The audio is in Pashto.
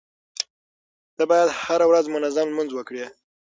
ته بايد هره ورځ منظم لمونځ وکړې.